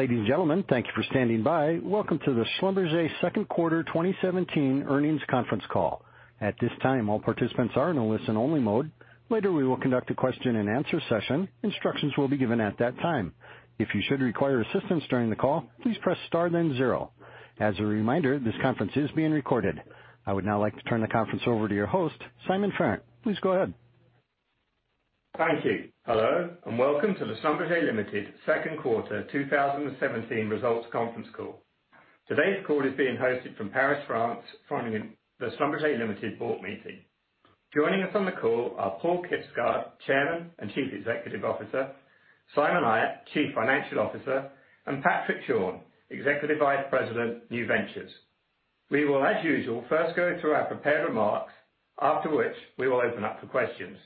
Ladies and gentlemen, thank you for standing by. Welcome to the Schlumberger second quarter 2017 earnings conference call. At this time, all participants are in a listen-only mode. Later, we will conduct a question and answer session. Instructions will be given at that time. If you should require assistance during the call, please press star then zero. As a reminder, this conference is being recorded. I would now like to turn the conference over to your host, Simon Farrant. Please go ahead. Thank you. Hello, and welcome to the Schlumberger Limited Second Quarter 2017 Results Conference Call. Today's call is being hosted from Paris, France, following the Schlumberger Limited board meeting. Joining us on the call are Paal Kibsgaard, Chairman and Chief Executive Officer, Simon Ayat, Chief Financial Officer, and Patrick Schorn, Executive Vice President, New Ventures. We will, as usual, first go through our prepared remarks, after which we will open up for questions.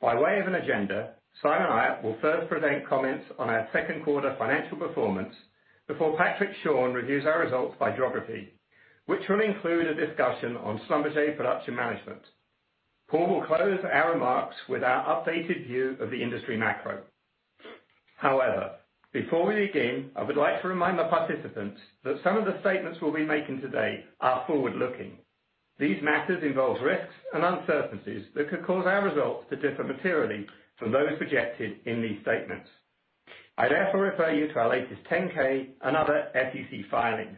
By way of an agenda, Simon Ayat will first present comments on our second quarter financial performance before Patrick Schorn reviews our results by geography, which will include a discussion on Schlumberger Production Management. Paal will close our remarks with our updated view of the industry macro. Before we begin, I would like to remind the participants that some of the statements we'll be making today are forward-looking. These matters involve risks and uncertainties that could cause our results to differ materially from those projected in these statements. I therefore refer you to our latest 10-K and other SEC filings.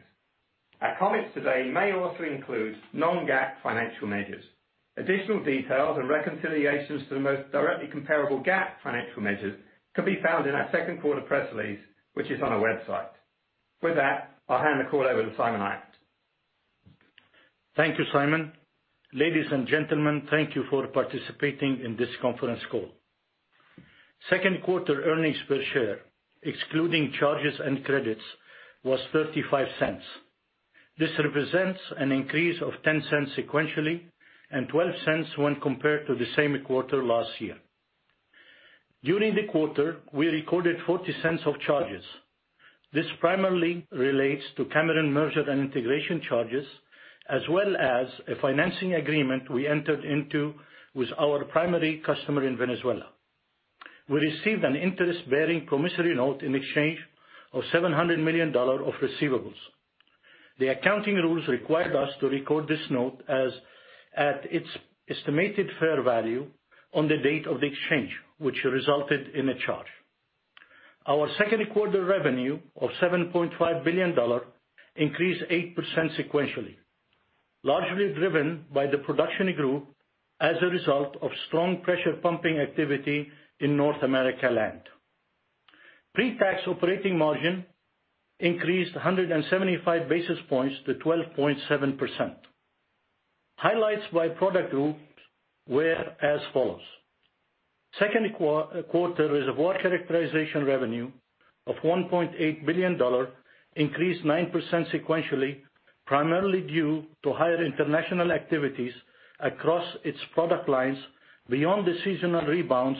Our comments today may also include non-GAAP financial measures. Additional details and reconciliations to the most directly comparable GAAP financial measures can be found in our second quarter press release, which is on our website. With that, I'll hand the call over to Simon Ayat. Thank you, Simon. Ladies and gentlemen, thank you for participating in this conference call. Second quarter earnings per share, excluding charges and credits, was $0.35. This represents an increase of $0.10 sequentially and $0.12 when compared to the same quarter last year. During the quarter, we recorded $0.40 of charges. This primarily relates to Cameron merger and integration charges, as well as a financing agreement we entered into with our primary customer in Venezuela. We received an interest-bearing promissory note in exchange of $700 million of receivables. The accounting rules required us to record this note at its estimated fair value on the date of the exchange, which resulted in a charge. Our second quarter revenue of $7.5 billion increased 8% sequentially, largely driven by the production group as a result of strong pressure pumping activity in North America Land. Pre-tax operating margin increased 175 basis points to 12.7%. Highlights by product groups were as follows. Second quarter reservoir characterization revenue of $1.8 billion increased 9% sequentially, primarily due to higher international activities across its product lines beyond the seasonal rebounds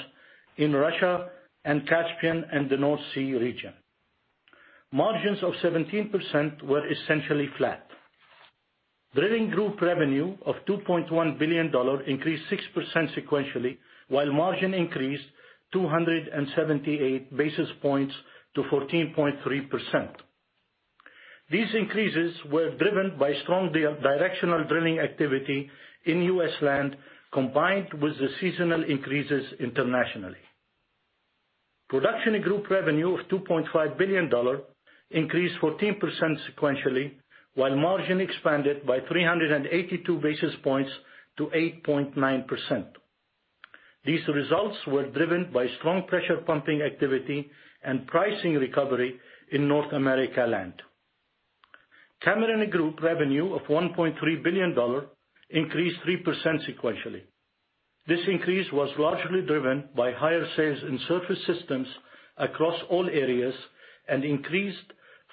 in Russia and Caspian and the North Sea region. Margins of 17% were essentially flat. Drilling group revenue of $2.1 billion increased 6% sequentially, while margin increased 278 basis points to 14.3%. These increases were driven by strong directional drilling activity in U.S. Land, combined with the seasonal increases internationally. Production group revenue of $2.5 billion increased 14% sequentially, while margin expanded by 382 basis points to 8.9%. These results were driven by strong pressure pumping activity and pricing recovery in North America Land. Cameron Group revenue of $1.3 billion increased 3% sequentially. This increase was largely driven by higher sales in surface systems across all areas and increased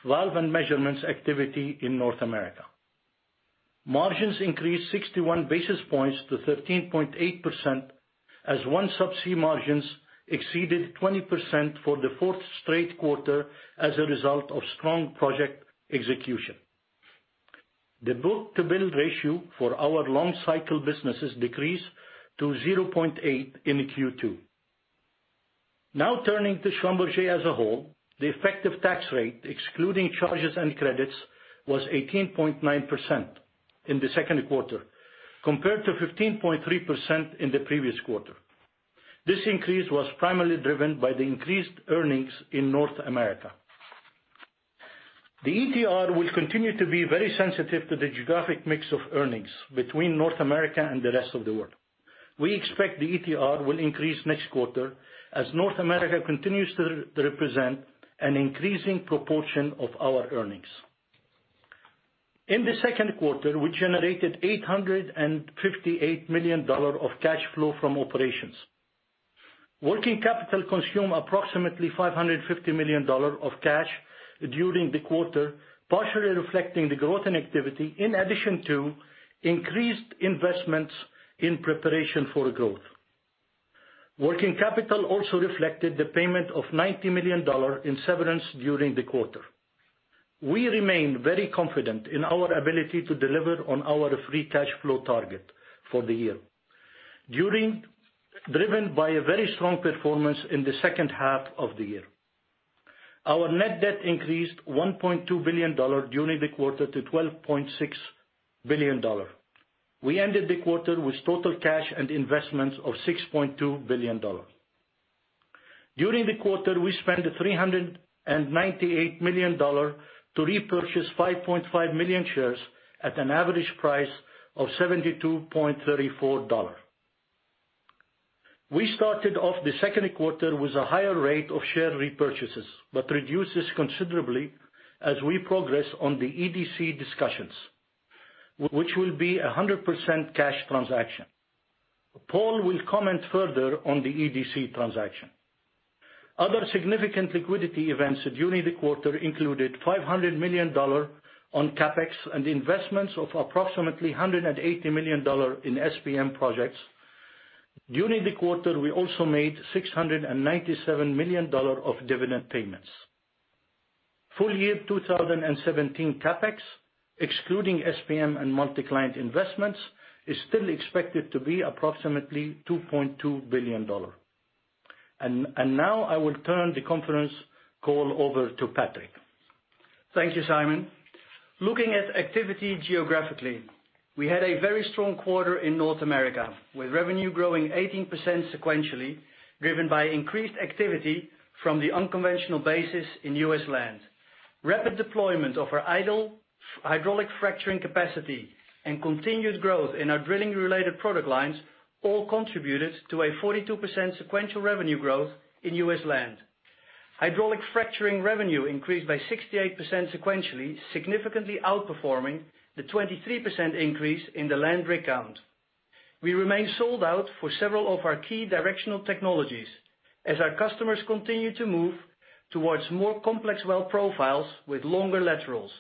valve and measurements activity in North America. Margins increased 61 basis points to 13.8% as OneSubsea margins exceeded 20% for the fourth straight quarter as a result of strong project execution. The book-to-bill ratio for our long-cycle businesses decreased to 0.8 in Q2. Turning to Schlumberger as a whole, the effective tax rate, excluding charges and credits, was 18.9% in the second quarter, compared to 15.3% in the previous quarter. This increase was primarily driven by the increased earnings in North America. The ETR will continue to be very sensitive to the geographic mix of earnings between North America and the rest of the world. We expect the ETR will increase next quarter as North America continues to represent an increasing proportion of our earnings. In the second quarter, we generated $858 million of cash flow from operations. Working capital consumed approximately $550 million of cash during the quarter, partially reflecting the growth in activity, in addition to increased investments in preparation for growth. Working capital also reflected the payment of $90 million in severance during the quarter. We remain very confident in our ability to deliver on our free cash flow target for the year, driven by a very strong performance in the second half of the year. Our net debt increased $1.2 billion during the quarter to $12.6 billion. We ended the quarter with total cash and investments of $6.2 billion. During the quarter, we spent $398 million to repurchase 5.5 million shares at an average price of $72.34. We started off the second quarter with a higher rate of share repurchases, but reduced this considerably as we progress on the EDC discussions, which will be 100% cash transaction. Paal will comment further on the EDC transaction. Other significant liquidity events during the quarter included $500 million on CapEx and investments of approximately $180 million in SPM projects. During the quarter, we also made $697 million of dividend payments. Full year 2017 CapEx, excluding SPM and multi-client investments, is still expected to be approximately $2.2 billion. Now I will turn the conference call over to Patrick. Thank you, Simon. Looking at activity geographically, we had a very strong quarter in North America, with revenue growing 18% sequentially, driven by increased activity from the unconventional basins in U.S. land. Rapid deployment of our idle hydraulic fracturing capacity and continued growth in our drilling-related product lines all contributed to a 42% sequential revenue growth in U.S. land. Hydraulic fracturing revenue increased by 68% sequentially, significantly outperforming the 23% increase in the land rig count. We remain sold out for several of our key directional technologies as our customers continue to move towards more complex well profiles with longer laterals.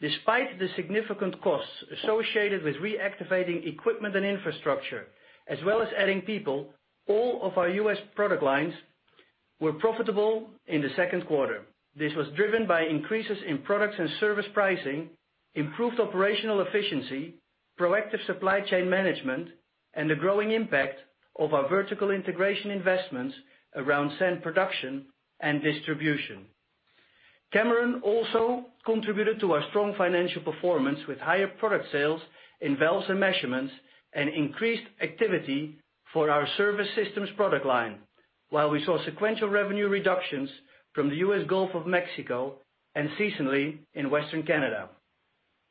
Despite the significant costs associated with reactivating equipment and infrastructure, as well as adding people, all of our U.S. product lines were profitable in the second quarter. This was driven by increases in products and service pricing, improved operational efficiency, proactive supply chain management, and the growing impact of our vertical integration investments around sand production and distribution. Cameron also contributed to our strong financial performance with higher product sales in valves and measurements, and increased activity for our service systems product line, while we saw sequential revenue reductions from the U.S. Gulf of Mexico and seasonally in Western Canada.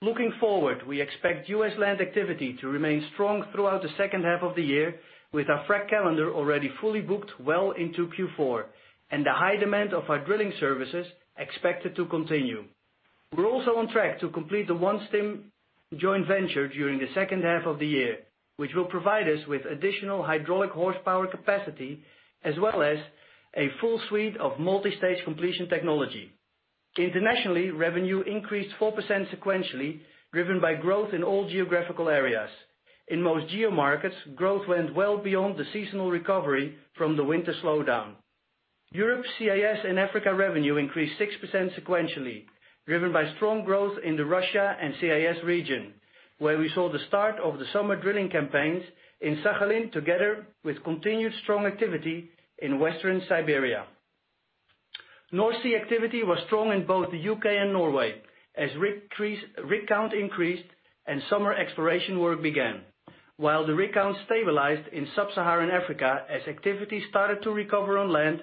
Looking forward, we expect U.S. land activity to remain strong throughout the second half of the year with our frac calendar already fully booked well into Q4, and the high demand of our drilling services expected to continue. We are also on track to complete the OneStim joint venture during the second half of the year, which will provide us with additional hydraulic horsepower capacity, as well as a full suite of multi-stage completion technology. Internationally, revenue increased 4% sequentially, driven by growth in all geographical areas. In most GeoMarkets, growth went well beyond the seasonal recovery from the winter slowdown. Europe, CIS, and Africa revenue increased 6% sequentially, driven by strong growth in the Russia and CIS region, where we saw the start of the summer drilling campaigns in Sakhalin, together with continued strong activity in Western Siberia. North Sea activity was strong in both the U.K. and Norway as rig count increased and summer exploration work began, while the rig count stabilized in Sub-Saharan Africa as activity started to recover on land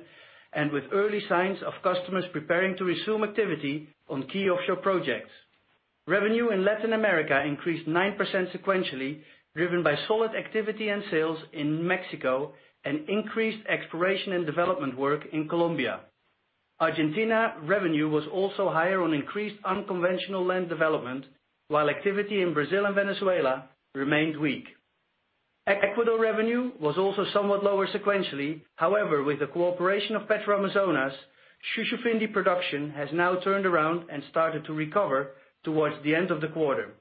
and with early signs of customers preparing to resume activity on key offshore projects. Revenue in Latin America increased 9% sequentially, driven by solid activity and sales in Mexico and increased exploration and development work in Colombia. Argentina revenue was also higher on increased unconventional land development, while activity in Brazil and Venezuela remained weak. Ecuador revenue was also somewhat lower sequentially. However, with the cooperation of Petroamazonas, Shushufindi production has now turned around and started to recover towards the end of the quarter.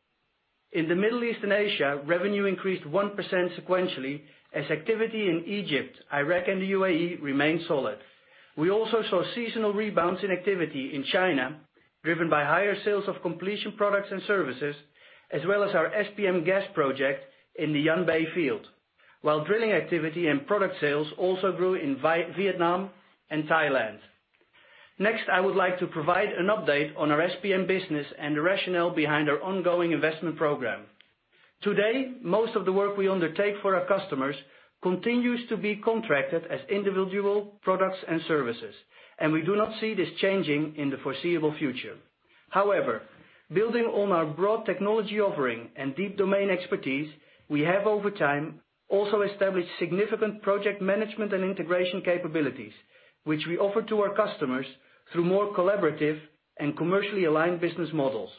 In the Middle East and Asia, revenue increased 1% sequentially as activity in Egypt, Iraq, and the UAE remained solid. We also saw seasonal rebounds in activity in China, driven by higher sales of completion products and services, as well as our SPM gas project in the Yanbei field, while drilling activity and product sales also grew in Vietnam and Thailand. Next, I would like to provide an update on our SPM business and the rationale behind our ongoing investment program. Today, most of the work we undertake for our customers continues to be contracted as individual products and services, we do not see this changing in the foreseeable future. However, building on our broad technology offering and deep domain expertise, we have over time also established significant project management and integration capabilities, which we offer to our customers through more collaborative and commercially aligned business models.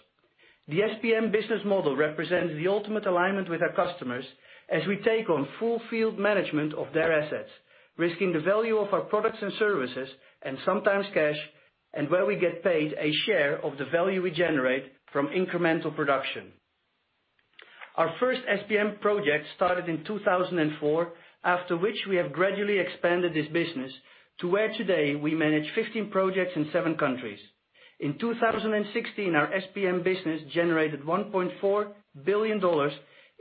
The SPM business model represents the ultimate alignment with our customers as we take on full field management of their assets, risking the value of our products and services, and sometimes cash, and where we get paid a share of the value we generate from incremental production. Our first SPM project started in 2004, after which we have gradually expanded this business to where today we manage 15 projects in seven countries. In 2016, our SPM business generated $1.4 billion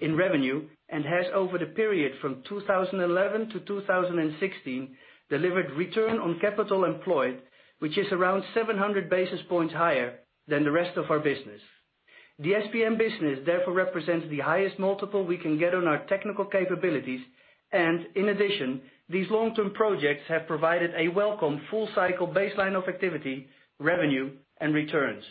in revenue and has, over the period from 2011 to 2016, delivered return on capital employed, which is around 700 basis points higher than the rest of our business. The SPM business therefore represents the highest multiple we can get on our technical capabilities, in addition, these long-term projects have provided a welcome full-cycle baseline of activity, revenue, and returns.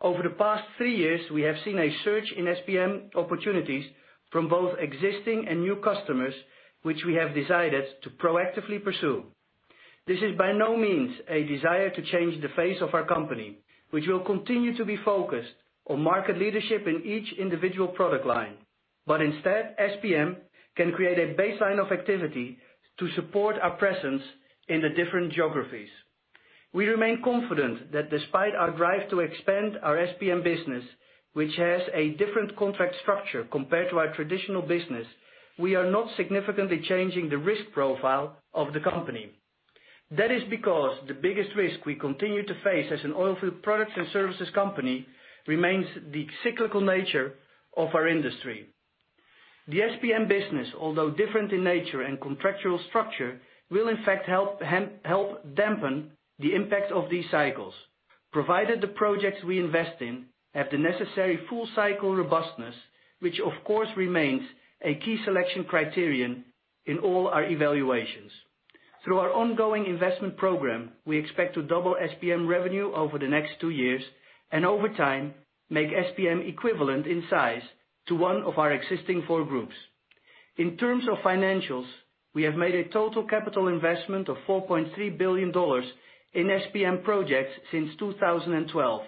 Over the past three years, we have seen a surge in SPM opportunities from both existing and new customers, which we have decided to proactively pursue. This is by no means a desire to change the face of our company, which will continue to be focused on market leadership in each individual product line. Instead, SPM can create a baseline of activity to support our presence in the different geographies. We remain confident that despite our drive to expand our SPM business, which has a different contract structure compared to our traditional business, we are not significantly changing the risk profile of the company. That is because the biggest risk we continue to face as an oil field products and services company remains the cyclical nature of our industry. The SPM business, although different in nature and contractual structure, will in fact help dampen the impact of these cycles, provided the projects we invest in have the necessary full-cycle robustness, which of course remains a key selection criterion in all our evaluations. Through our ongoing investment program, we expect to double SPM revenue over the next two years and over time, make SPM equivalent in size to one of our existing four groups. In terms of financials, we have made a total capital investment of $4.3 billion in SPM projects since 2012,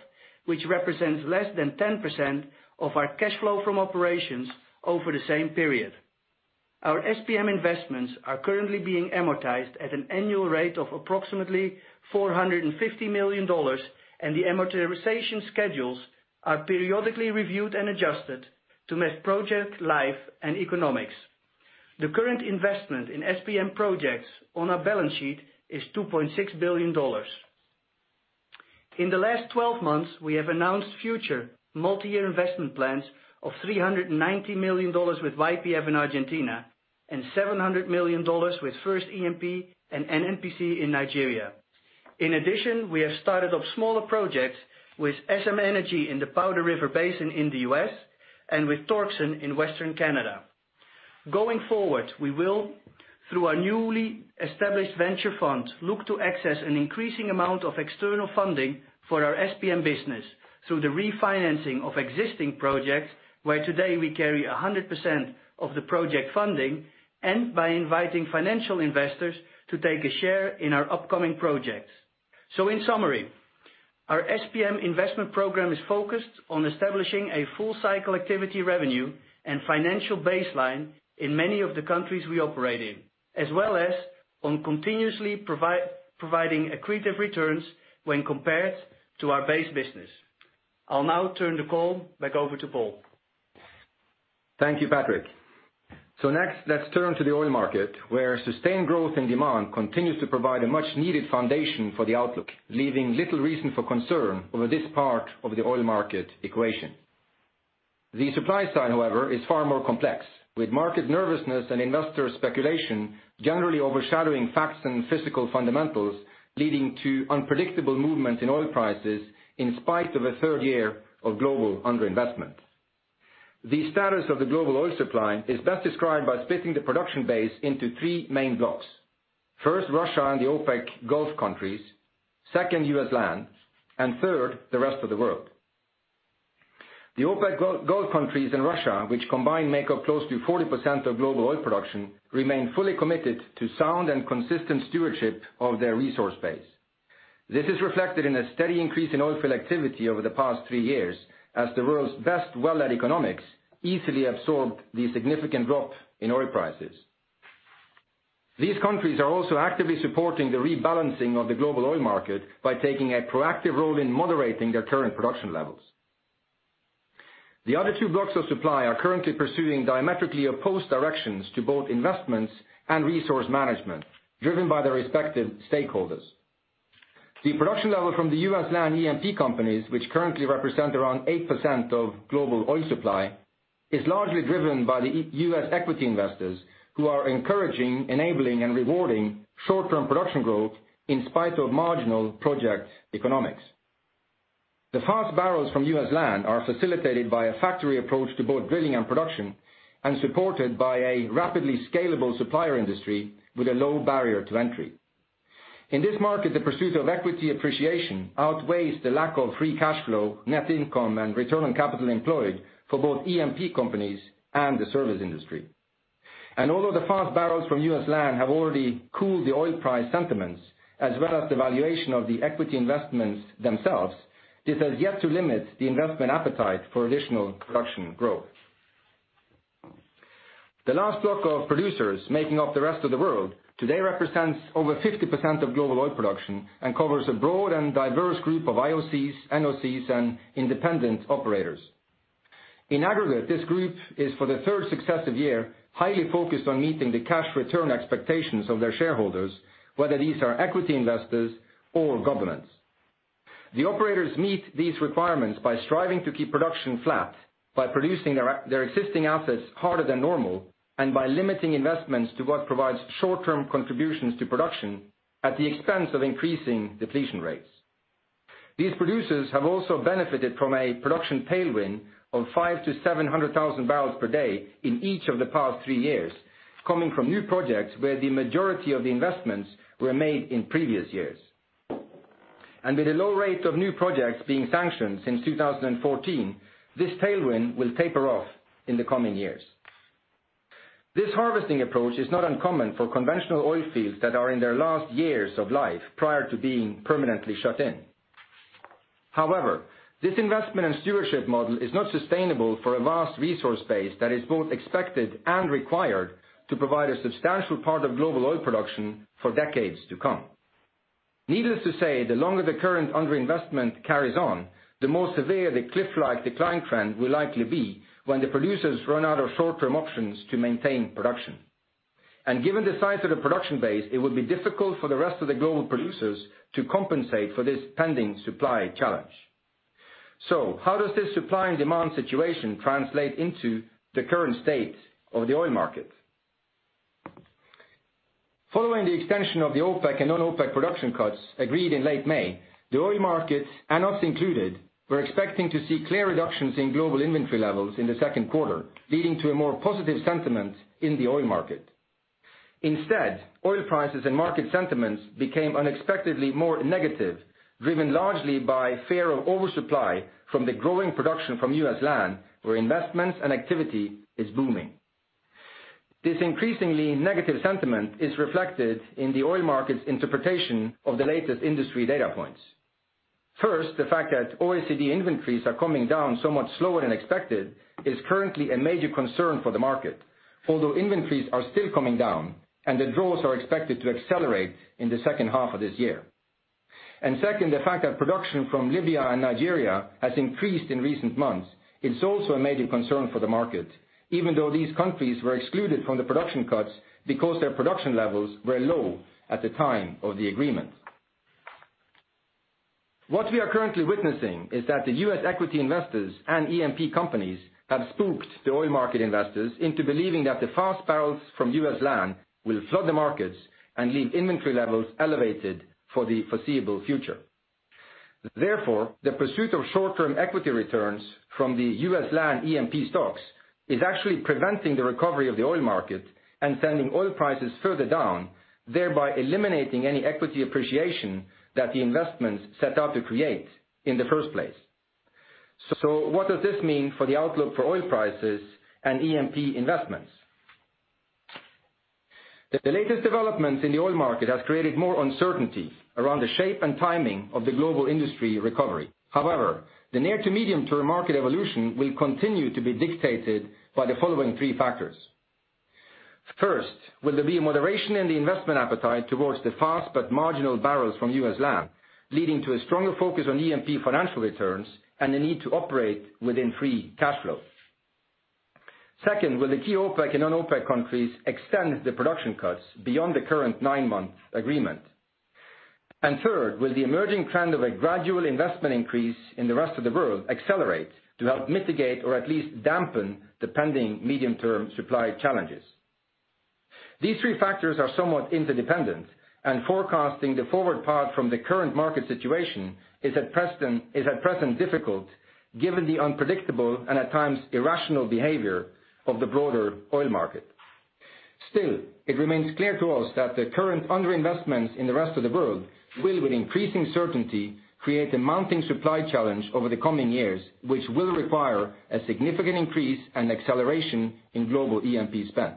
which represents less than 10% of our cash flow from operations over the same period. Our SPM investments are currently being amortized at an annual rate of approximately $450 million, the amortization schedules are periodically reviewed and adjusted to match project life and economics. The current investment in SPM projects on our balance sheet is $2.6 billion. In the last 12 months, we have announced future multi-year investment plans of $390 million with YPF in Argentina and $700 million with FIRST E&P and NNPC in Nigeria. In addition, we have started up smaller projects with SM Energy in the Powder River Basin in the U.S., and with Torxen in Western Canada. Going forward, we will, through our newly established venture fund, look to access an increasing amount of external funding for our SPM business through the refinancing of existing projects, where today we carry 100% of the project funding, and by inviting financial investors to take a share in our upcoming projects. In summary, our SPM investment program is focused on establishing a full-cycle activity revenue and financial baseline in many of the countries we operate in, as well as on continuously providing accretive returns when compared to our base business. I'll now turn the call back over to Paal. Thank you, Patrick. Next, let's turn to the oil market, where sustained growth and demand continues to provide a much-needed foundation for the outlook, leaving little reason for concern over this part of the oil market equation. The supply side, however, is far more complex, with market nervousness and investor speculation generally overshadowing facts and physical fundamentals, leading to unpredictable movements in oil prices in spite of a third year of global underinvestment. The status of the global oil supply is best described by splitting the production base into three main blocks. First, Russia and the OPEC Gulf countries, second, U.S. land, and third, the rest of the world. The OPEC Gulf countries and Russia, which combined make up close to 40% of global oil production, remain fully committed to sound and consistent stewardship of their resource base. This is reflected in a steady increase in oil field activity over the past three years, as the world's best well economics easily absorbed the significant drop in oil prices. These countries are also actively supporting the rebalancing of the global oil market by taking a proactive role in moderating their current production levels. The other two blocks of supply are currently pursuing diametrically opposed directions to both investments and resource management, driven by their respective stakeholders. The production level from the U.S. land E&P companies, which currently represent around 8% of global oil supply, is largely driven by the U.S. equity investors, who are encouraging, enabling, and rewarding short-term production growth in spite of marginal project economics. The fast barrels from U.S. land are facilitated by a factory approach to both drilling and production, and supported by a rapidly scalable supplier industry with a low barrier to entry. In this market, the pursuit of equity appreciation outweighs the lack of free cash flow, net income, and return on capital employed for both E&P companies and the service industry. Although the fast barrels from U.S. land have already cooled the oil price sentiments, as well as the valuation of the equity investments themselves, this has yet to limit the investment appetite for additional production growth. The last block of producers making up the rest of the world today represents over 50% of global oil production and covers a broad and diverse group of IOCs, NOCs, and independent operators. In aggregate, this group is, for the third successive year, highly focused on meeting the cash return expectations of their shareholders, whether these are equity investors or governments. The operators meet these requirements by striving to keep production flat, by producing their existing assets harder than normal, and by limiting investments to what provides short-term contributions to production at the expense of increasing depletion rates. These producers have also benefited from a production tailwind of 500,000 to 700,000 barrels per day in each of the past three years, coming from new projects where the majority of the investments were made in previous years. With a low rate of new projects being sanctioned since 2014, this tailwind will taper off in the coming years. This harvesting approach is not uncommon for conventional oil fields that are in their last years of life prior to being permanently shut in. However, this investment and stewardship model is not sustainable for a vast resource base that is both expected and required to provide a substantial part of global oil production for decades to come. Needless to say, the longer the current underinvestment carries on, the more severe the cliff-like decline trend will likely be when the producers run out of short-term options to maintain production. Given the size of the production base, it would be difficult for the rest of the global producers to compensate for this pending supply challenge. How does this supply and demand situation translate into the current state of the oil market? Following the extension of the OPEC and non-OPEC production cuts agreed in late May, the oil markets, and us included, were expecting to see clear reductions in global inventory levels in the second quarter, leading to a more positive sentiment in the oil market. Instead, oil prices and market sentiments became unexpectedly more negative, driven largely by fear of oversupply from the growing production from U.S. land, where investments and activity is booming. This increasingly negative sentiment is reflected in the oil market's interpretation of the latest industry data points. First, the fact that OECD inventories are coming down so much slower than expected is currently a major concern for the market. Although inventories are still coming down, and the draws are expected to accelerate in the second half of this year. Second, the fact that production from Libya and Nigeria has increased in recent months is also a major concern for the market, even though these countries were excluded from the production cuts because their production levels were low at the time of the agreement. What we are currently witnessing is that the U.S. equity investors and E&P companies have spooked the oil market investors into believing that the fast barrels from U.S. land will flood the markets and leave inventory levels elevated for the foreseeable future. Therefore, the pursuit of short-term equity returns from the U.S. land E&P stocks is actually preventing the recovery of the oil market and sending oil prices further down, thereby eliminating any equity appreciation that the investments set out to create in the first place. What does this mean for the outlook for oil prices and E&P investments? The latest developments in the oil market have created more uncertainty around the shape and timing of the global industry recovery. The near to medium-term market evolution will continue to be dictated by the following three factors. First, will there be a moderation in the investment appetite towards the fast but marginal barrels from U.S. land, leading to a stronger focus on E&P financial returns and the need to operate within free cash flow? Second, will the key OPEC and non-OPEC countries extend the production cuts beyond the current nine-month agreement? Third, will the emerging trend of a gradual investment increase in the rest of the world accelerate to help mitigate or at least dampen the pending medium-term supply challenges? These three factors are somewhat interdependent. Forecasting the forward path from the current market situation is at present difficult given the unpredictable and at times irrational behavior of the broader oil market. Still, it remains clear to us that the current underinvestment in the rest of the world will, with increasing certainty, create a mounting supply challenge over the coming years, which will require a significant increase and acceleration in global E&P spend.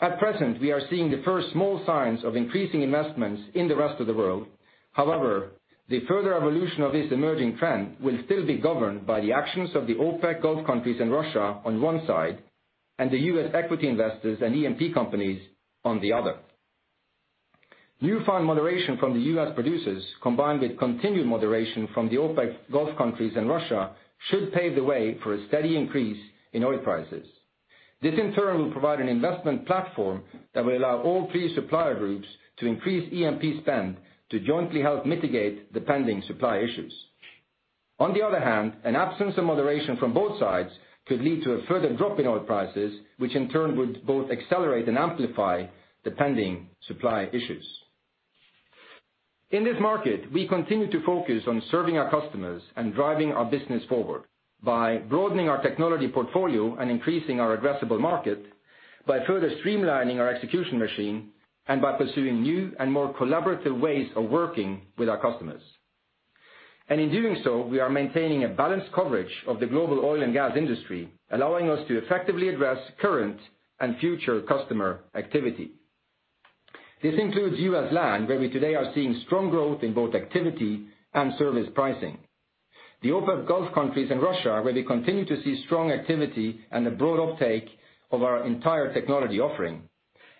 At present, we are seeing the first small signs of increasing investments in the rest of the world. However, the further evolution of this emerging trend will still be governed by the actions of the OPEC Gulf countries and Russia on one side and the U.S. equity investors and E&P companies on the other. Newfound moderation from the U.S. producers, combined with continued moderation from the OPEC Gulf countries and Russia, should pave the way for a steady increase in oil prices. This, in turn, will provide an investment platform that will allow all three supplier groups to increase E&P spend to jointly help mitigate the pending supply issues. On the other hand, an absence of moderation from both sides could lead to a further drop in oil prices, which in turn would both accelerate and amplify the pending supply issues. In this market, we continue to focus on serving our customers and driving our business forward by broadening our technology portfolio and increasing our addressable market, by further streamlining our execution machine, and by pursuing new and more collaborative ways of working with our customers. In doing so, we are maintaining a balanced coverage of the global oil and gas industry, allowing us to effectively address current and future customer activity. This includes U.S. land, where we today are seeing strong growth in both activity and service pricing. The OPEC Gulf countries and Russia, where we continue to see strong activity and a broad uptake of our entire technology offering,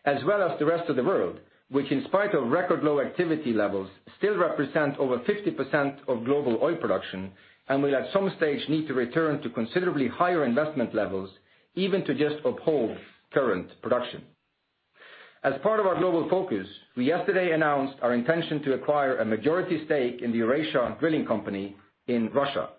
as well as the rest of the world, which in spite of record low activity levels, still represents over 50% of global oil production, and will at some stage need to return to considerably higher investment levels, even to just uphold current production. As part of our global focus, we yesterday announced our intention to acquire a majority stake in the Eurasia Drilling Company in Russia.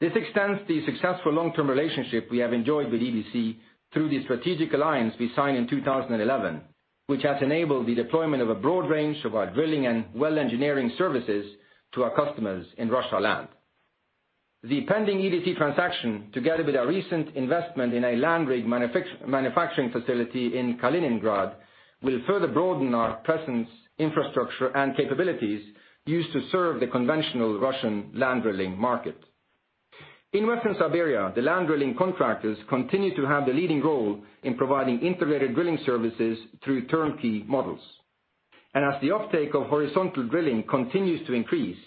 This extends the successful long-term relationship we have enjoyed with EDC through the strategic alliance we signed in 2011, which has enabled the deployment of a broad range of our drilling and well engineering services to our customers in Russia land. The pending EDC transaction, together with our recent investment in a land rig manufacturing facility in Kaliningrad, will further broaden our presence, infrastructure, and capabilities used to serve the conventional Russian land drilling market. In Western Siberia, the land drilling contractors continue to have the leading role in providing integrated drilling services through turnkey models. As the uptake of horizontal drilling continues to increase,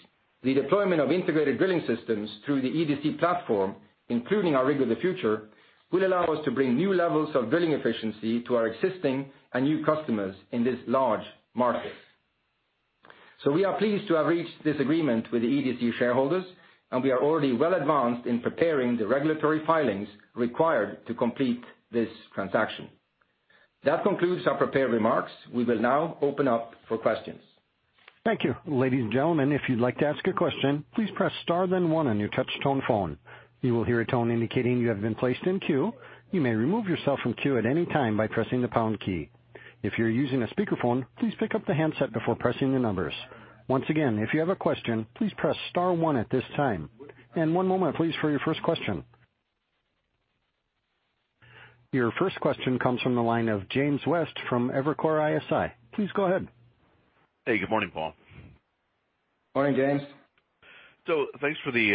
the deployment of integrated drilling systems through the EDC platform, including our Rig of the Future, will allow us to bring new levels of drilling efficiency to our existing and new customers in this large market. We are pleased to have reached this agreement with the EDC shareholders, and we are already well advanced in preparing the regulatory filings required to complete this transaction. That concludes our prepared remarks. We will now open up for questions. Thank you. Ladies and gentlemen, if you'd like to ask a question, please press star, then one on your touch-tone phone. You will hear a tone indicating you have been placed in queue. You may remove yourself from queue at any time by pressing the pound key. If you're using a speakerphone, please pick up the handset before pressing the numbers. Once again, if you have a question, please press star one at this time. One moment, please, for your first question. Your first question comes from the line of James West from Evercore ISI. Please go ahead. Hey, good morning, Paal. Morning, James. Thanks for the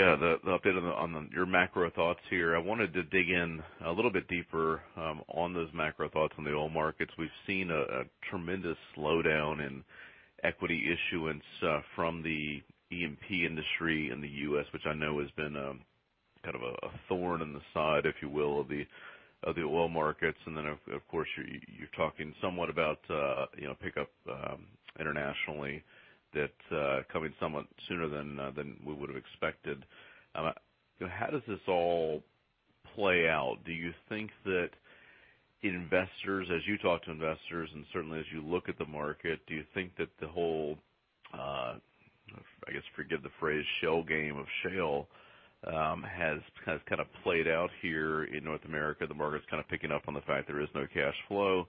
update on your macro thoughts here. I wanted to dig in a little bit deeper on those macro thoughts on the oil markets. We've seen a tremendous slowdown in equity issuance from the E&P industry in the U.S., which I know has been kind of a thorn in the side, if you will, of the oil markets. Then, of course, you're talking somewhat about pickup internationally that coming somewhat sooner than we would've expected. How does this all play out? Do you think that investors, as you talk to investors and certainly as you look at the market, do you think that the whole, I guess forgive the phrase, shell game of shale, has kind of played out here in North America? The market's kind of picking up on the fact there is no cash flow.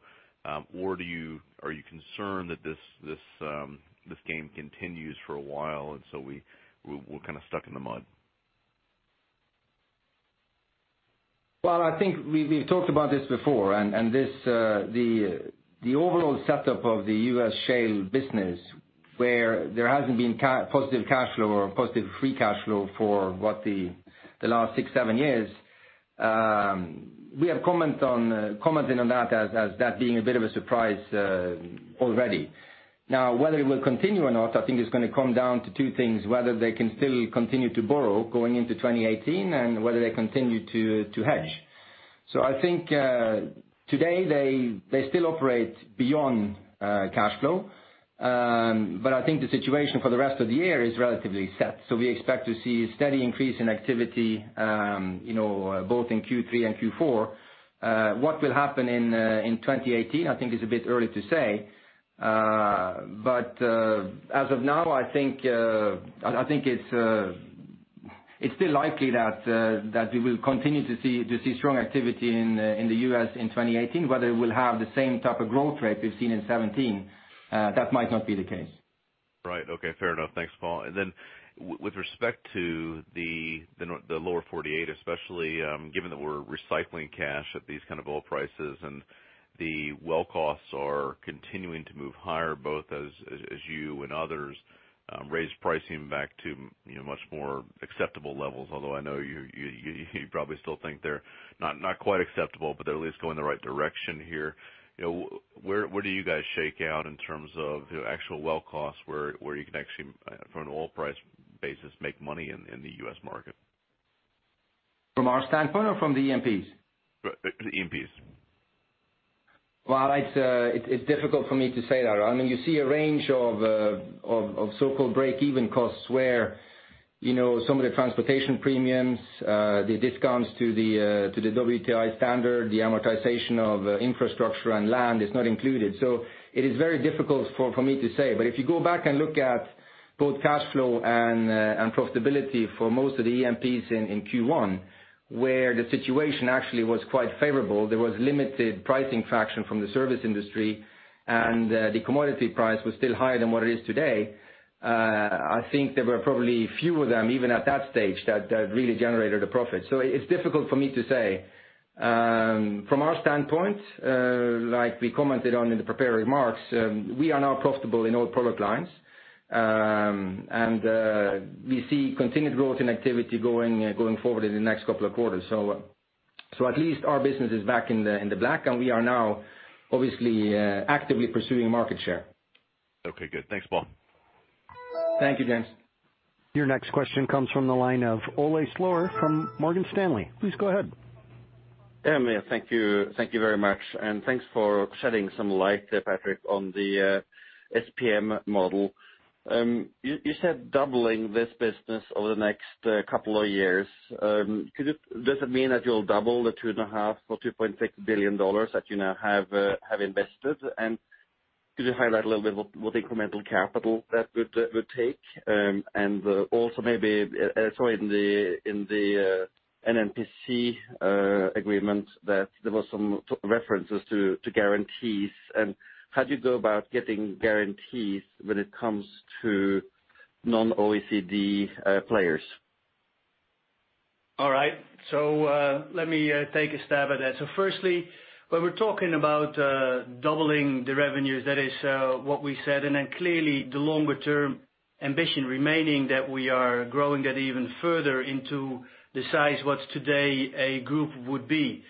Are you concerned that this game continues for a while, and so we're kind of stuck in the mud? Well, I think we've talked about this before, and the overall setup of the U.S. shale business where there hasn't been positive cash flow or positive free cash flow for what, the last six, seven years. We have commented on that as that being a bit of a surprise already. Now, whether it will continue or not, I think it's going to come down to two things, whether they can still continue to borrow going into 2018 and whether they continue to hedge. I think today they still operate beyond cash flow. I think the situation for the rest of the year is relatively set. We expect to see a steady increase in activity both in Q3 and Q4. What will happen in 2018, I think it's a bit early to say. As of now, I think it's still likely that we will continue to see strong activity in the U.S. in 2018. Whether it will have the same type of growth rate we've seen in 2017, that might not be the case. Right. Okay. Fair enough. Thanks, Paal. With respect to the lower 48, especially given that we're recycling cash at these kind of oil prices and the well costs are continuing to move higher both as you and others raise pricing back to much more acceptable levels, although I know you probably still think they're not quite acceptable, but they're at least going the right direction here. Where do you guys shake out in terms of actual well costs where you can actually, from an oil price basis, make money in the U.S. market? From our standpoint or from the E&Ps? The E&Ps. Well, it's difficult for me to say that. You see a range of so-called break-even costs where some of the transportation premiums, the discounts to the WTI standard, the amortization of infrastructure and land is not included. It is very difficult for me to say. If you go back and look at both cash flow and profitability for most of the E&Ps in Q1, where the situation actually was quite favorable, there was limited pricing fraction from the service industry, and the commodity price was still higher than what it is today. I think there were probably few of them, even at that stage that really generated a profit. It's difficult for me to say. From our standpoint, like we commented on in the prepared remarks, we are now profitable in all product lines. We see continued growth in activity going forward in the next couple of quarters. At least our business is back in the black, and we are now obviously actively pursuing market share. Okay, good. Thanks, Paal. Thank you, James. Your next question comes from the line of Ole Slorer from Morgan Stanley. Please go ahead. Yeah, thank you. Thank you very much, and thanks for shedding some light, Patrick, on the SPM model. You said doubling this business over the next couple of years. Does it mean that you'll double the $2.5 billion or $2.6 billion that you now have invested? Could you highlight a little bit what incremental capital that would take? Also maybe, I saw in the NNPC agreement that there was some references to guarantees. How do you go about getting guarantees when it comes to non-OECD players? All right. Let me take a stab at that. Firstly, when we're talking about doubling the revenues, that is what we said. Clearly the longer-term ambition remaining that we are growing that even further into the size what's today a group would be.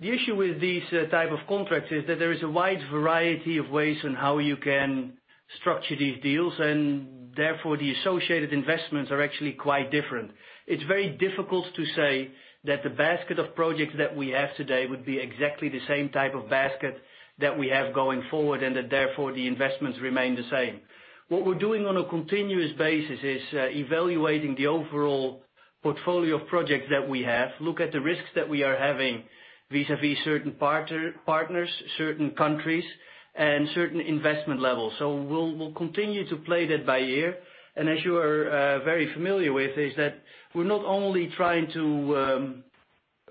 The issue with these type of contracts is that there is a wide variety of ways on how you can structure these deals, and therefore, the associated investments are actually quite different. It's very difficult to say that the basket of projects that we have today would be exactly the same type of basket that we have going forward, and that therefore, the investments remain the same. What we're doing on a continuous basis is evaluating the overall portfolio of projects that we have, look at the risks that we are having vis-a-vis certain partners, certain countries, and certain investment levels. We'll continue to play that by ear. As you are very familiar with, is that we're not only trying to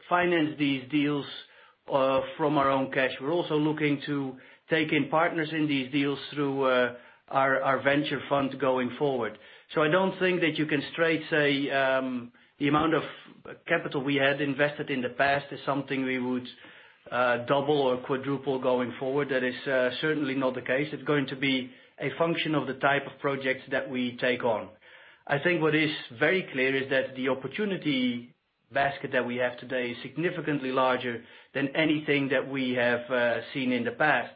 finance these deals from our own cash, we're also looking to take in partners in these deals through our venture fund going forward. I don't think that you can straight say the amount of capital we had invested in the past is something we would double or quadruple going forward. That is certainly not the case. It's going to be a function of the type of projects that we take on. I think what is very clear is that the opportunity basket that we have today is significantly larger than anything that we have seen in the past.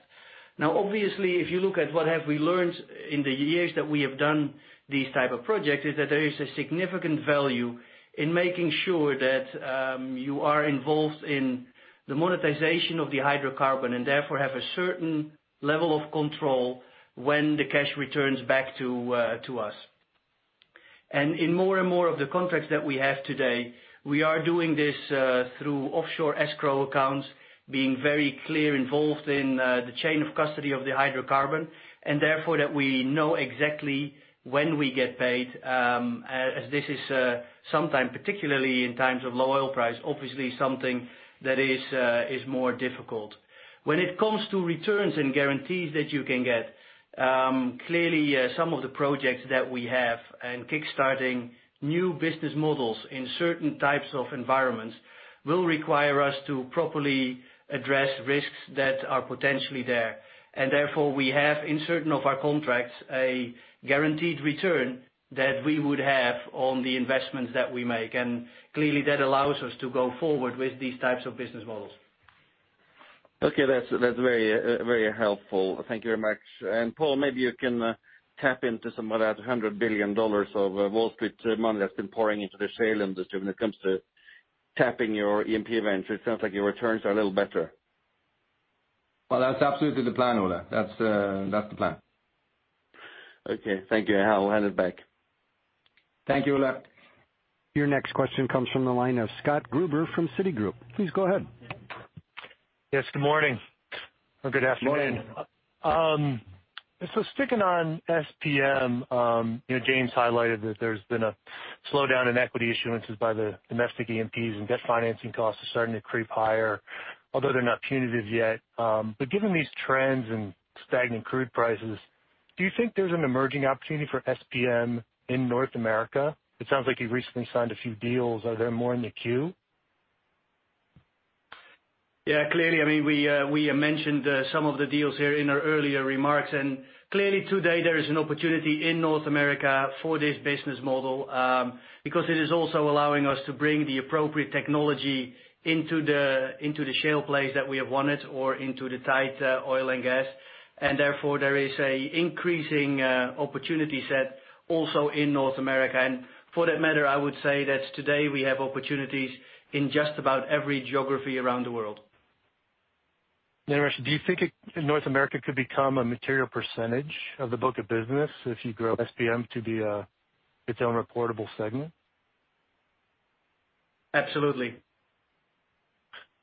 Obviously, if you look at what have we learned in the years that we have done these type of projects, is that there is a significant value in making sure that you are involved in the monetization of the hydrocarbon, and therefore, have a certain level of control when the cash returns back to us. In more and more of the contracts that we have today, we are doing this through offshore escrow accounts, being very clear involved in the chain of custody of the hydrocarbon, and therefore, that we know exactly when we get paid, as this is sometimes, particularly in times of low oil price, obviously something that is more difficult. When it comes to returns and guarantees that you can get, clearly, some of the projects that we have and kickstarting new business models in certain types of environments will require us to properly address risks that are potentially there. Therefore, we have, in certain of our contracts, a guaranteed return that we would have on the investments that we make. Clearly, that allows us to go forward with these types of business models. Okay. That's very helpful. Thank you very much. Paal, maybe you can tap into some of that $100 billion of Wall Street money that's been pouring into the shale industry when it comes to tapping your SPM events. It sounds like your returns are a little better. Well, that's absolutely the plan, Ole. That's the plan. Okay. Thank you. I will hand it back. Thank you, Ole. Your next question comes from the line of Scott Gruber from Citigroup. Please go ahead. Yes, good morning or good afternoon. Morning. Sticking on SPM, James highlighted that there's been a slowdown in equity issuances by the domestic E&Ps and debt financing costs are starting to creep higher, although they're not punitive yet. Given these trends and stagnant crude prices, do you think there's an emerging opportunity for SPM in North America? It sounds like you've recently signed a few deals. Are there more in the queue? Yeah, clearly. We mentioned some of the deals here in our earlier remarks. Clearly today, there is an opportunity in North America for this business model, because it is also allowing us to bring the appropriate technology into the shale plays that we have wanted or into the tight oil and gas. Therefore, there is an increasing opportunity set also in North America. For that matter, I would say that today we have opportunities in just about every geography around the world. Interesting. Do you think North America could become a material percentage of the book of business if you grow SPM to be its own reportable segment? Absolutely.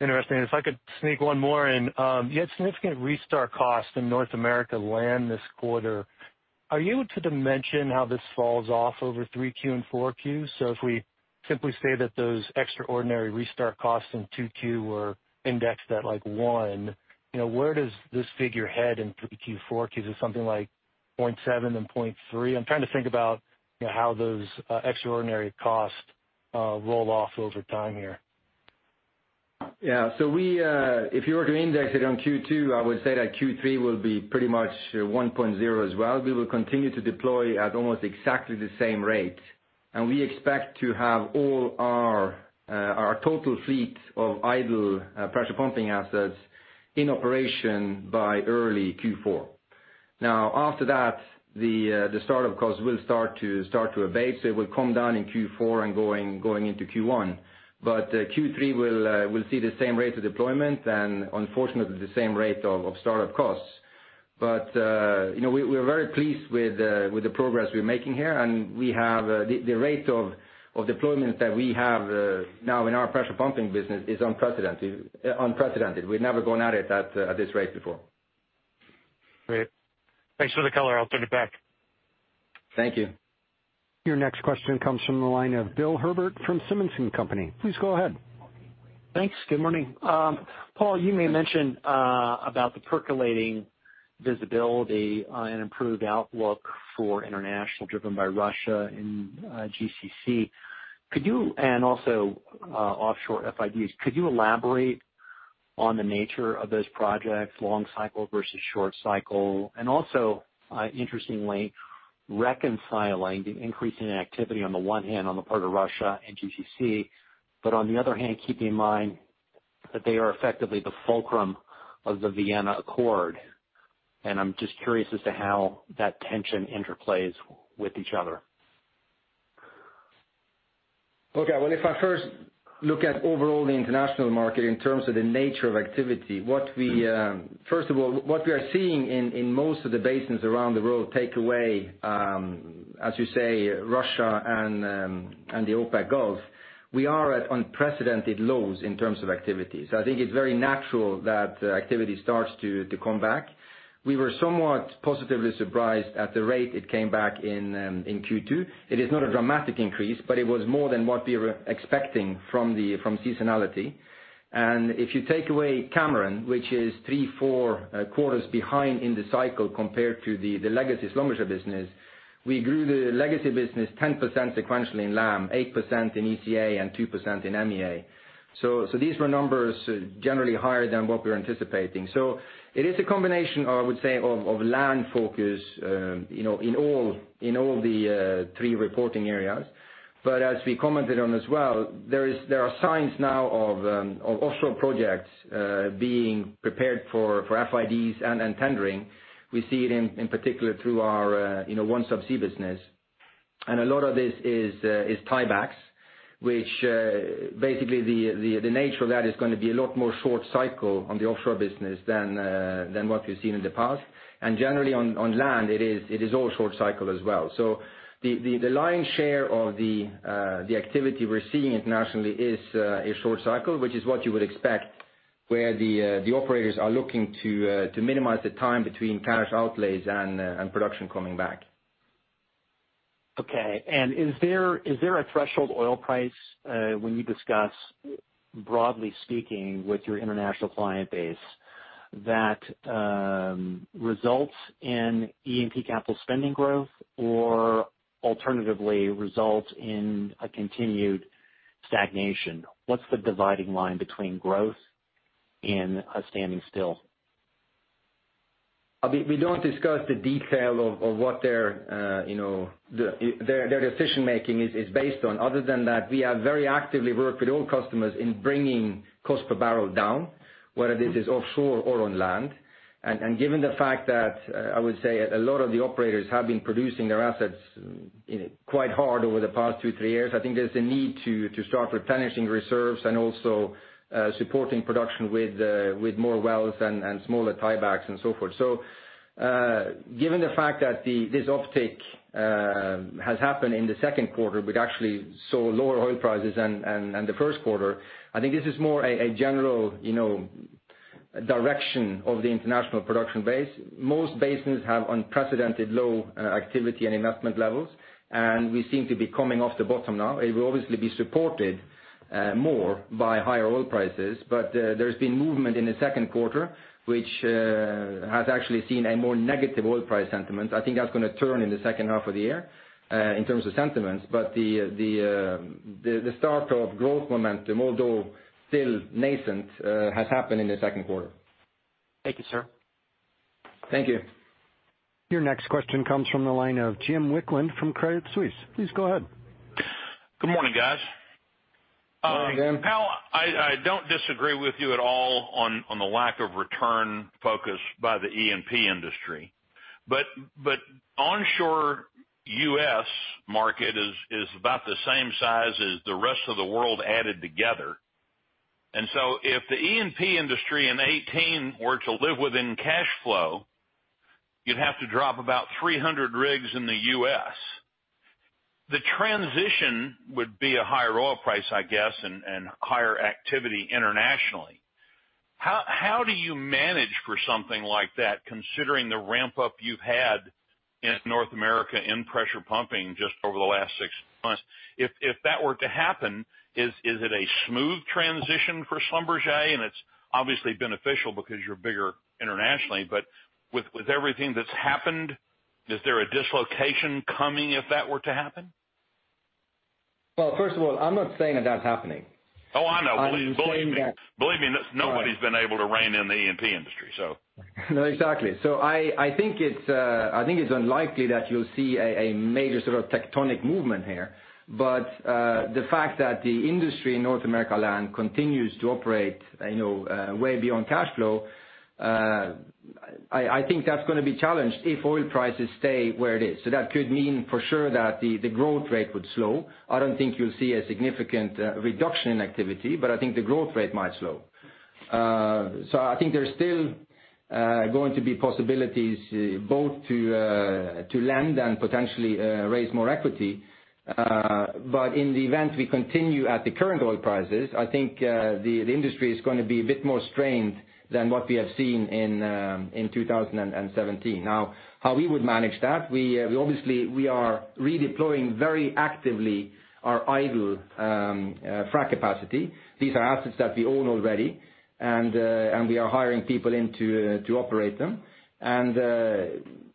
Interesting. If I could sneak one more in. You had significant restart costs in North America land this quarter. Are you able to dimension how this falls off over three Q and four Qs? If we simply say that those extraordinary restart costs in two Q were indexed at one, where does this figure head in three Q, four Qs? Is it something like 0.7 and 0.3? I'm trying to think about how those extraordinary costs roll off over time here. Yeah. If you were to index it on Q2, I would say that Q3 will be pretty much 1.0 as well. We will continue to deploy at almost exactly the same rate We expect to have our total fleet of idle pressure pumping assets in operation by early Q4. After that, the startup costs will start to abate. It will come down in Q4 and going into Q1. Q3 will see the same rate of deployment and unfortunately, the same rate of startup costs. We're very pleased with the progress we're making here, and the rate of deployment that we have now in our pressure pumping business is unprecedented. We've never gone at it at this rate before. Great. Thanks for the color. I'll turn it back. Thank you. Your next question comes from the line of Bill Herbert from Simmons & Company. Please go ahead. Thanks. Good morning. Paal, you may mention about the percolating visibility and improved outlook for international, driven by Russia and GCC. Also offshore FIDs. Could you elaborate on the nature of those projects, long cycle versus short cycle? Also, interestingly, reconciling the increasing activity on the one hand on the part of Russia and GCC, but on the other hand, keeping in mind that they are effectively the fulcrum of the Vienna accord. I'm just curious as to how that tension interplays with each other. Okay. Well, if I first look at overall the international market in terms of the nature of activity. First of all, what we are seeing in most of the basins around the world, take away, as you say, Russia and the OPEC Gulf, we are at unprecedented lows in terms of activity. I think it's very natural that activity starts to come back. We were somewhat positively surprised at the rate it came back in Q2. It is not a dramatic increase, but it was more than what we were expecting from seasonality. If you take away Cameron, which is three, four quarters behind in the cycle compared to the legacy Schlumberger business, we grew the legacy business 10% sequentially in LAM, 8% in ECA, and 2% in MEA. These were numbers generally higher than what we were anticipating. It is a combination, I would say, of land focus, in all the three reporting areas. As we commented on as well, there are signs now of offshore projects being prepared for FIDs and tendering. We see it in particular through our OneSubsea business. A lot of this is tiebacks, which basically the nature of that is going to be a lot more short cycle on the offshore business than what we've seen in the past. Generally on land, it is all short cycle as well. The lion's share of the activity we're seeing internationally is short cycle, which is what you would expect, where the operators are looking to minimize the time between cash outlays and production coming back. Okay. Is there a threshold oil price when you discuss, broadly speaking, with your international client base that results in E&P capital spending growth or alternatively results in a continued stagnation? What's the dividing line between growth and a standing still? We don't discuss the detail of what their decision-making is based on. Other than that, we have very actively worked with oil customers in bringing cost per barrel down, whether this is offshore or on land. Given the fact that I would say a lot of the operators have been producing their assets quite hard over the past two, three years, I think there's a need to start replenishing reserves and also supporting production with more wells and smaller tiebacks and so forth. Given the fact that this uptake has happened in the second quarter, we'd actually saw lower oil prices than the first quarter, I think this is more a general direction of the international production base. Most basins have unprecedented low activity and investment levels, and we seem to be coming off the bottom now. It will obviously be supported more by higher oil prices. There's been movement in the second quarter, which has actually seen a more negative oil price sentiment. I think that's going to turn in the second half of the year, in terms of sentiments. The start of growth momentum, although still nascent, has happened in the second quarter. Thank you, sir. Thank you. Your next question comes from the line of Jim Wicklund from Credit Suisse. Please go ahead. Good morning, guys. Good morning, Jim. Paul, I don't disagree with you at all on the lack of return focus by the E&P industry. Onshore U.S. market is about the same size as the rest of the world added together. If the E&P industry in 2018 were to live within cash flow, you'd have to drop about 300 rigs in the U.S. The transition would be a higher oil price, I guess, and higher activity internationally. How do you manage for something like that, considering the ramp-up you've had in North America in pressure pumping just over the last six months? If that were to happen, is it a smooth transition for Schlumberger? It's obviously beneficial because you're bigger internationally, but with everything that's happened, is there a dislocation coming if that were to happen? Well, first of all, I'm not saying that that's happening. Oh, I know. Believe me, nobody's been able to rein in the E&P industry. I think it's unlikely that you'll see a major sort of tectonic movement here. The fact that the industry in North America land continues to operate way beyond cash flow, I think that's going to be challenged if oil prices stay where it is. That could mean for sure that the growth rate would slow. I don't think you'll see a significant reduction in activity, but I think the growth rate might slow. I think there's still going to be possibilities both to lend and potentially raise more equity. In the event we continue at the current oil prices, I think the industry is going to be a bit more strained than what we have seen in 2017. How we would manage that, we obviously are redeploying very actively our idle frac capacity. These are assets that we own already, we are hiring people in to operate them.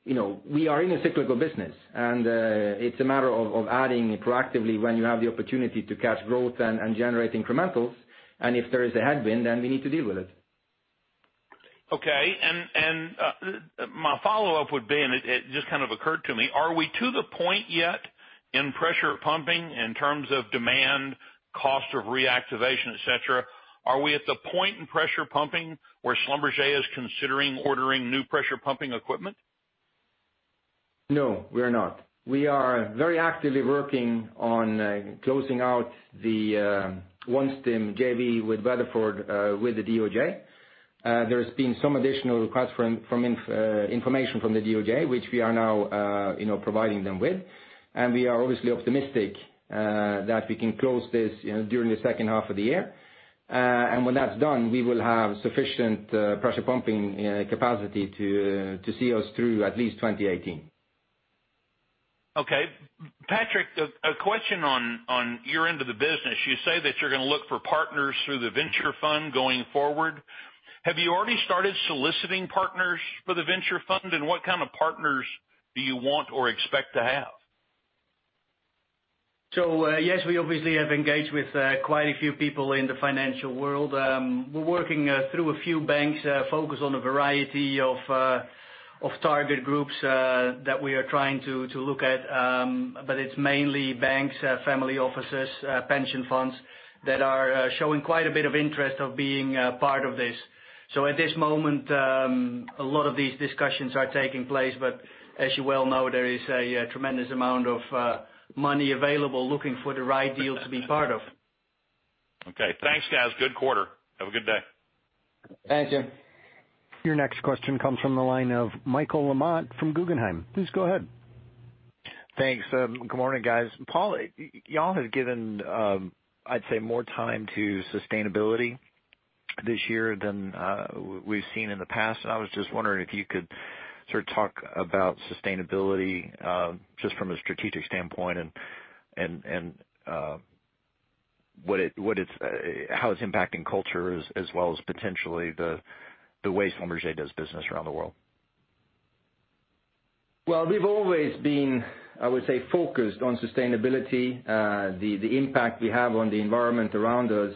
We are in a cyclical business, and it's a matter of adding proactively when you have the opportunity to catch growth and generate incrementals. If there is a headwind, then we need to deal with it. Okay. My follow-up would be, and it just kind of occurred to me. Are we to the point yet in pressure pumping in terms of demand, cost of reactivation, et cetera? Are we at the point in pressure pumping where Schlumberger is considering ordering new pressure pumping equipment? No, we are not. We are very actively working on closing out the OneStim JV with Weatherford with the DOJ. There's been some additional requests for information from the DOJ, which we are now providing them with. We are obviously optimistic that we can close this during the second half of the year. When that's done, we will have sufficient pressure pumping capacity to see us through at least 2018. Okay. Patrick, a question on your end of the business. You say that you're going to look for partners through the venture fund going forward. Have you already started soliciting partners for the venture fund? What kind of partners do you want or expect to have? Yes, we obviously have engaged with quite a few people in the financial world. We're working through a few banks focused on a variety of target groups that we are trying to look at. It's mainly banks, family offices, pension funds that are showing quite a bit of interest of being part of this. At this moment, a lot of these discussions are taking place, but as you well know, there is a tremendous amount of money available looking for the right deal to be part of. Okay, thanks, guys. Good quarter. Have a good day. Thank you. Your next question comes from the line of Michael LaMotte from Guggenheim. Please go ahead. Thanks. Good morning, guys. Paal, you all have given, I'd say, more time to sustainability this year than we've seen in the past. I was just wondering if you could sort of talk about sustainability, just from a strategic standpoint and how it's impacting cultures as well as potentially the way Schlumberger does business around the world. Well, we've always been, I would say, focused on sustainability. The impact we have on the environment around us,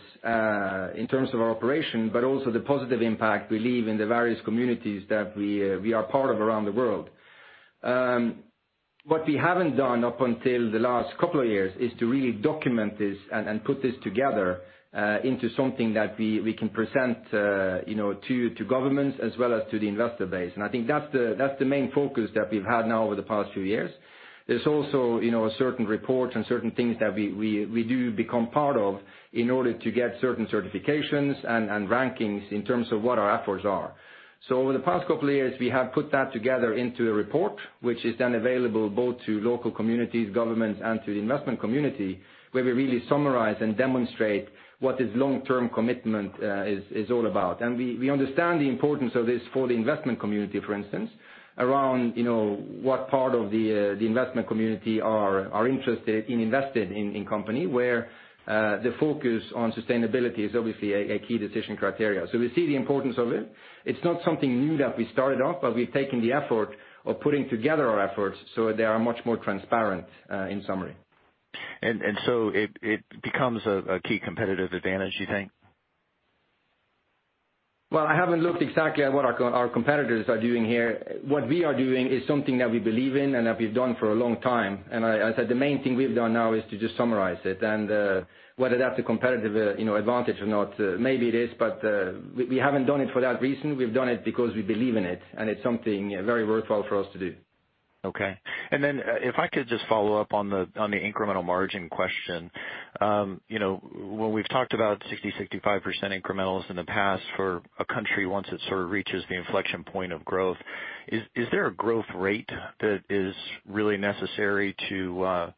in terms of our operation, but also the positive impact we leave in the various communities that we are part of around the world. What we haven't done up until the last couple of years is to really document this and put this together into something that we can present to governments as well as to the investor base. I think that's the main focus that we've had now over the past few years. There's also certain reports and certain things that we do become part of in order to get certain certifications and rankings in terms of what our efforts are. Over the past couple of years, we have put that together into a report, which is then available both to local communities, governments, and to the investment community, where we really summarize and demonstrate what this long-term commitment is all about. We understand the importance of this for the investment community, for instance, around what part of the investment community are interested in investing in company where the focus on sustainability is obviously a key decision criteria. We see the importance of it. It's not something new that we started off, but we've taken the effort of putting together our efforts so they are much more transparent in summary. It becomes a key competitive advantage, you think? Well, I haven't looked exactly at what our competitors are doing here. What we are doing is something that we believe in and that we've done for a long time. I said the main thing we've done now is to just summarize it and whether that's a competitive advantage or not, maybe it is, but we haven't done it for that reason. We've done it because we believe in it, and it's something very worthwhile for us to do. Okay. If I could just follow up on the incremental margin question. When we've talked about 60%-65% incrementals in the past for a country, once it sort of reaches the inflection point of growth, is there a growth rate that is really necessary to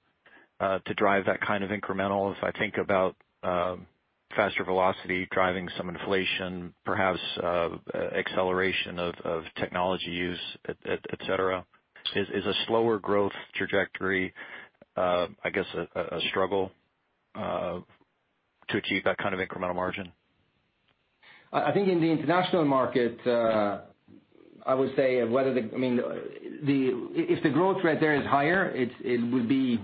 drive that kind of incremental? If I think about faster velocity driving some inflation, perhaps acceleration of technology use, et cetera, is a slower growth trajectory, I guess, a struggle to achieve that kind of incremental margin? I think in the international market, I would say if the growth rate there is higher, it would be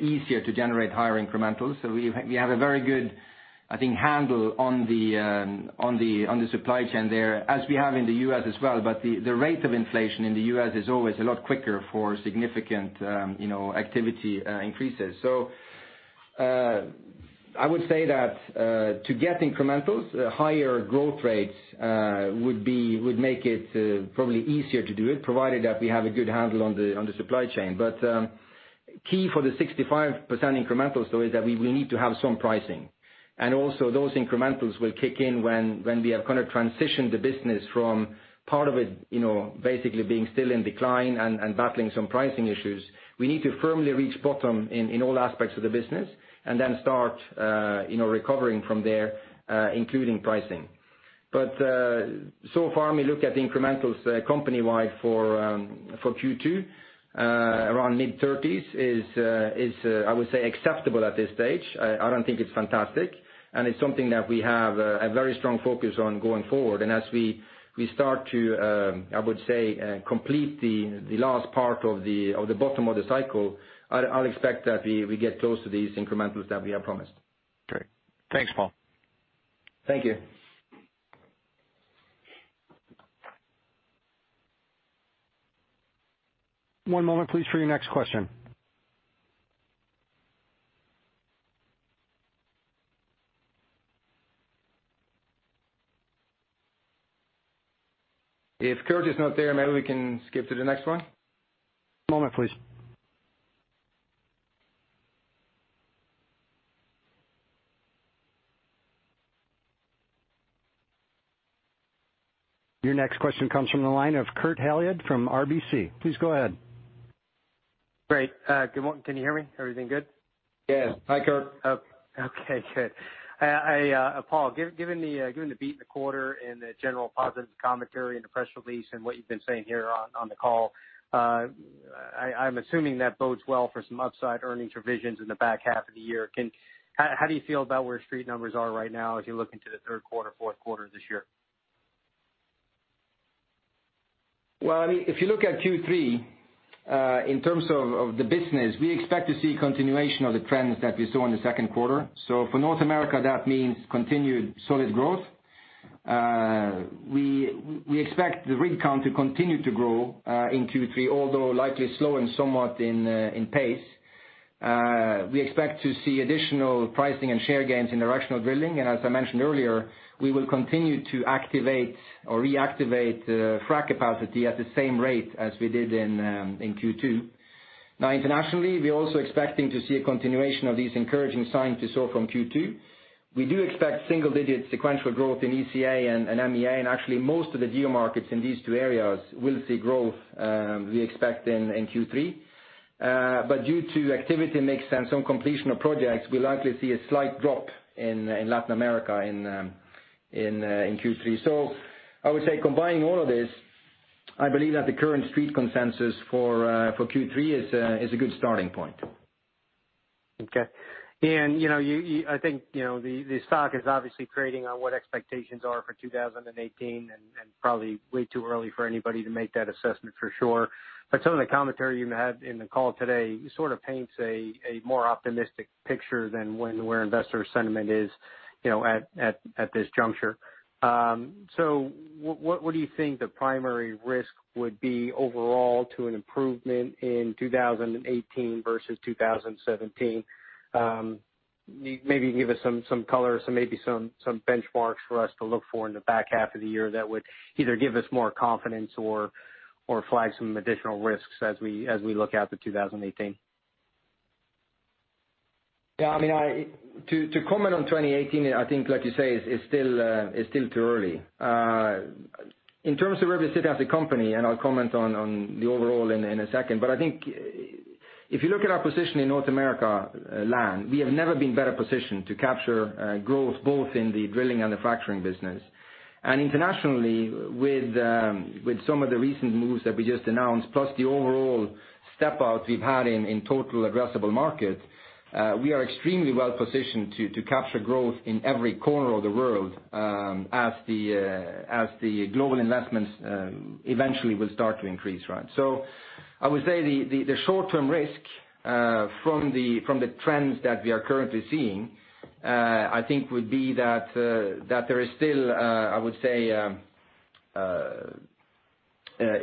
easier to generate higher incrementals. We have a very good handle on the supply chain there, as we have in the U.S. as well, but the rate of inflation in the U.S. is always a lot quicker for significant activity increases. I would say that to get incrementals, higher growth rates would make it probably easier to do it, provided that we have a good handle on the supply chain. Key for the 65% incrementals though, is that we need to have some pricing. Also those incrementals will kick in when we have transitioned the business from part of it basically being still in decline and battling some pricing issues. We need to firmly reach bottom in all aspects of the business, then start recovering from there, including pricing. So far, when we look at the incrementals company-wide for Q2, around mid-30s is acceptable at this stage. I don't think it's fantastic. It's something that we have a very strong focus on going forward. As we start to complete the last part of the bottom of the cycle, I'll expect that we get close to these incrementals that we have promised. Great. Thanks, Paal. Thank you. One moment, please, for your next question. If Kurt is not there, maybe we can skip to the next one. One moment, please. Your next question comes from the line of Kurt Hallead from RBC. Please go ahead. Great. Good morning. Can you hear me? Everything good? Yes. Hi, Kurt. Okay, good. Paal, given the beat in the quarter and the general positive commentary in the press release and what you've been saying here on the call, I'm assuming that bodes well for some upside earnings revisions in the back half of the year. How do you feel about where street numbers are right now as you look into the third quarter, fourth quarter this year? Well, if you look at Q3, in terms of the business, we expect to see continuation of the trends that we saw in the second quarter. For North America, that means continued solid growth. We expect the rig count to continue to grow in Q3, although likely slowing somewhat in pace. We expect to see additional pricing and share gains in directional drilling, and as I mentioned earlier, we will continue to activate or reactivate frack capacity at the same rate as we did in Q2. Internationally, we are also expecting to see a continuation of these encouraging signs we saw from Q2. We do expect single-digit sequential growth in ECA and MEA, and actually most of the geo markets in these two areas will see growth we expect in Q3. Due to activity mix and some completion of projects, we'll likely see a slight drop in Latin America in Q3. I would say combining all of this, I believe that the current street consensus for Q3 is a good starting point. Okay. I think the stock is obviously trading on what expectations are for 2018, and probably way too early for anybody to make that assessment for sure. Some of the commentary you had in the call today sort of paints a more optimistic picture than where investor sentiment is at this juncture. What do you think the primary risk would be overall to an improvement in 2018 versus 2017? Maybe give us some color, maybe some benchmarks for us to look for in the back half of the year that would either give us more confidence or flag some additional risks as we look out to 2018. To comment on 2018, I think like you say, it's still too early. In terms of where we sit as a company, and I'll comment on the overall in a second, I think if you look at our position in North America land, we have never been better positioned to capture growth both in the drilling and the fracturing business. Internationally, with some of the recent moves that we just announced, plus the overall step-outs we've had in total addressable markets, we are extremely well positioned to capture growth in every corner of the world as the global investments eventually will start to increase. I would say the short-term risk from the trends that we are currently seeing, I think would be that there is still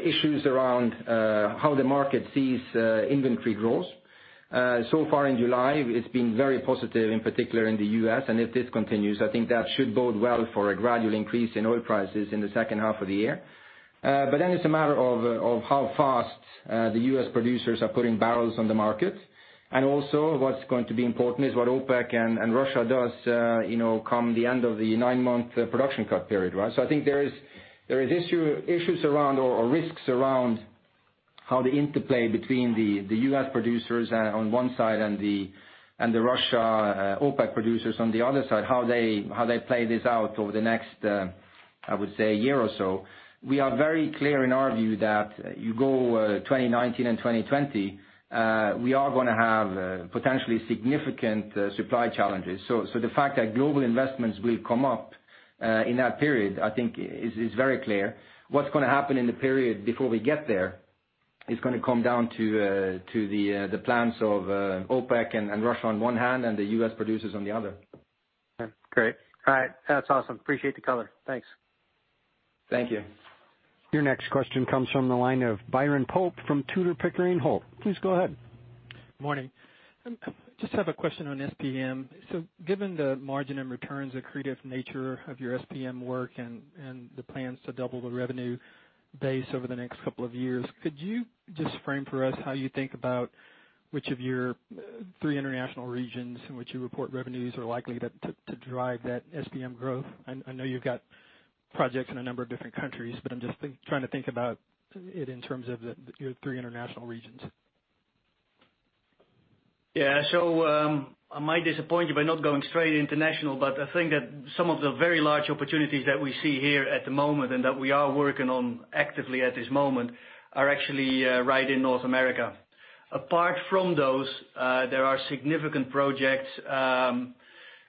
issues around how the market sees inventory growth. Far in July, it's been very positive, in particular in the U.S., if this continues, I think that should bode well for a gradual increase in oil prices in the second half of the year. It's a matter of how fast the U.S. producers are putting barrels on the market. Also what's going to be important is what OPEC and Russia does come the end of the nine-month production cut period. I think there is issues around, or risks around how the interplay between the U.S. producers on one side and the Russia OPEC producers on the other side, how they play this out over the next I would say a year or so. We are very clear in our view that you go 2019 and 2020, we are going to have potentially significant supply challenges. The fact that global investments will come up in that period, I think is very clear. What's going to happen in the period before we get there is going to come down to the plans of OPEC and Russia on one hand, and the U.S. producers on the other. Okay, great. All right. That's awesome. Appreciate the color. Thanks. Thank you. Your next question comes from the line of Byron Pope from Tudor, Pickering, Holt & Co. Please go ahead. Morning. Just have a question on SPM. Given the margin and returns accretive nature of your SPM work and the plans to double the revenue base over the next couple of years, could you just frame for us how you think about which of your three international regions in which you report revenues are likely to drive that SPM growth? I know you've got projects in a number of different countries, but I'm just trying to think about it in terms of your three international regions. Yeah. I might disappoint you by not going straight international, but I think that some of the very large opportunities that we see here at the moment, and that we are working on actively at this moment, are actually right in North America. Apart from those, there are significant projects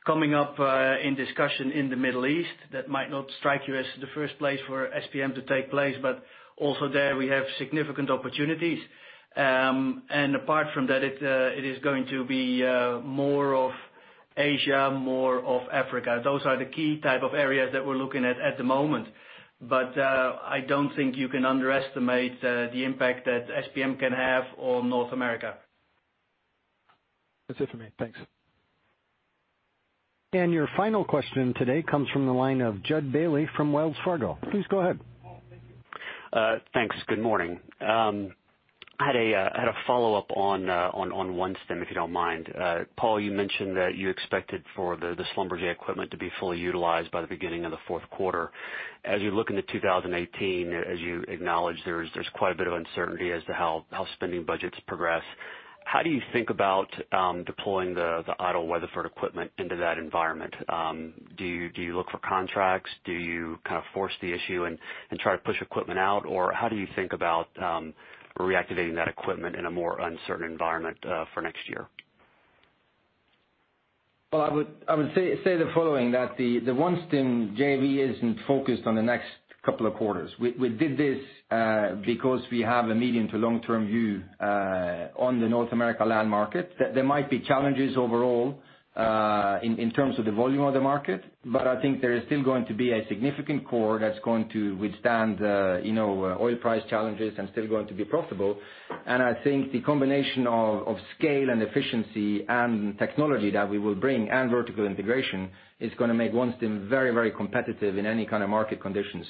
coming up in discussion in the Middle East. That might not strike you as the first place for SPM to take place, but also there, we have significant opportunities. Apart from that, it is going to be more of Asia, more of Africa. Those are the key type of areas that we're looking at the moment. I don't think you can underestimate the impact that SPM can have on North America. That's it for me. Thanks. Your final question today comes from the line of Jud Bailey from Wells Fargo. Please go ahead. Paal, thank you. Thanks. Good morning. I had a follow-up on OneStim, if you don't mind. Paal, you mentioned that you expected for the Schlumberger equipment to be fully utilized by the beginning of the fourth quarter. As you look into 2018, as you acknowledge, there's quite a bit of uncertainty as to how spending budgets progress. How do you think about deploying the idle Weatherford equipment into that environment? Do you look for contracts? Do you kind of force the issue and try to push equipment out, or how do you think about reactivating that equipment in a more uncertain environment for next year? I would say the following, that the OneStim JV isn't focused on the next couple of quarters. We did this because we have a medium to long-term view on the North America land market, that there might be challenges overall, in terms of the volume of the market. I think there is still going to be a significant core that's going to withstand oil price challenges and still going to be profitable. I think the combination of scale and efficiency and technology that we will bring, and vertical integration, is going to make OneStim very competitive in any kind of market conditions.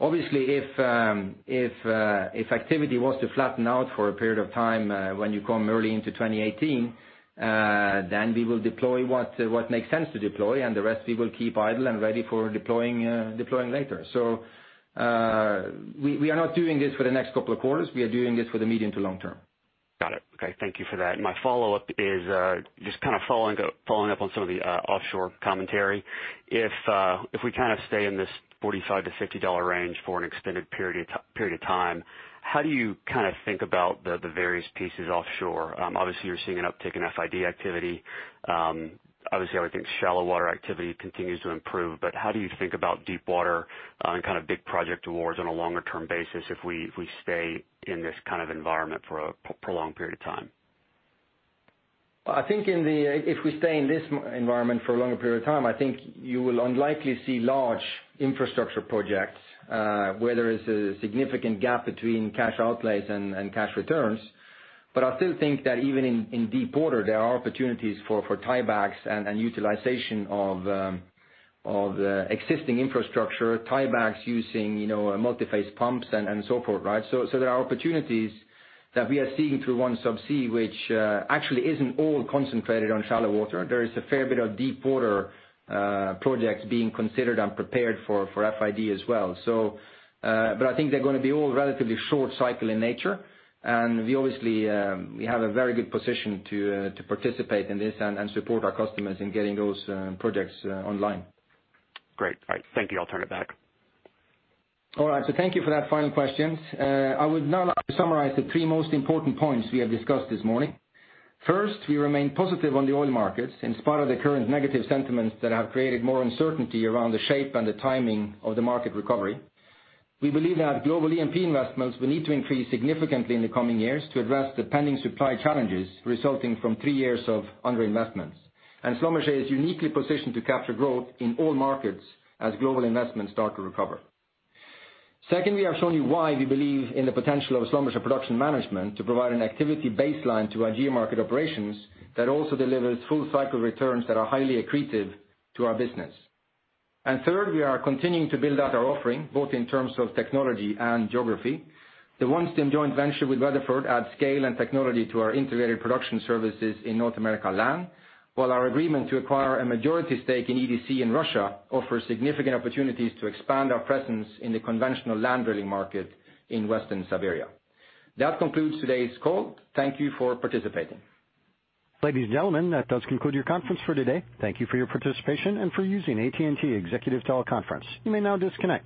Obviously, if activity was to flatten out for a period of time when you come early into 2018, then we will deploy what makes sense to deploy, and the rest we will keep idle and ready for deploying later. We are not doing this for the next couple of quarters. We are doing this for the medium to long term. Got it. Okay. Thank you for that. My follow-up is just kind of following up on some of the offshore commentary. If we kind of stay in this $45 to $50 range for an extended period of time, how do you think about the various pieces offshore? Obviously, you're seeing an uptick in FID activity. Obviously, I would think shallow water activity continues to improve. How do you think about deep water and big project awards on a longer-term basis if we stay in this kind of environment for a prolonged period of time? If we stay in this environment for a longer period of time, I think you will unlikely see large infrastructure projects, where there is a significant gap between cash outlays and cash returns. I still think that even in deep water, there are opportunities for tiebacks and utilization of existing infrastructure, tiebacks using multiphase pumps and so forth, right? There are opportunities that we are seeing through OneSubsea, which actually isn't all concentrated on shallow water. There is a fair bit of deepwater projects being considered and prepared for FID as well. I think they're going to be all relatively short cycle in nature. We obviously have a very good position to participate in this and support our customers in getting those projects online. Great. All right. Thank you. I'll turn it back. All right. Thank you for that final question. I would now like to summarize the three most important points we have discussed this morning. First, we remain positive on the oil markets in spite of the current negative sentiments that have created more uncertainty around the shape and the timing of the market recovery. We believe that global E&P investments will need to increase significantly in the coming years to address the pending supply challenges resulting from three years of underinvestments. Schlumberger is uniquely positioned to capture growth in all markets as global investments start to recover. Secondly, I've shown you why we believe in the potential of Schlumberger Production Management to provide an activity baseline to our geo-market operations that also delivers full cycle returns that are highly accretive to our business. Third, we are continuing to build out our offering, both in terms of technology and geography. The OneStim joint venture with Weatherford adds scale and technology to our integrated production services in North America land. While our agreement to acquire a majority stake in EDC in Russia offers significant opportunities to expand our presence in the conventional land drilling market in Western Siberia. That concludes today's call. Thank you for participating. Ladies and gentlemen, that does conclude your conference for today. Thank you for your participation and for using AT&T Executive Teleconference. You may now disconnect.